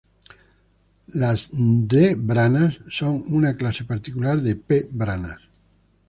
Las d-branas son una clase particular de p-branas.